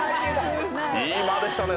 いい間でしたね。